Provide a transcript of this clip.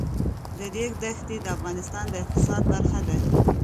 د ریګ دښتې د افغانستان د اقتصاد برخه ده.